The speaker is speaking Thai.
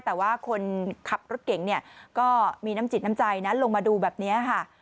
แต่ว่าคนขับรถเก่งเนี่ยก็มีน้ำจิตน้ำใจนะลงมาดูแบบนี้ค่ะ